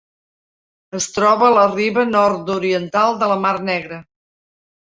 Es troba a la riba nord-oriental de la mar Negra.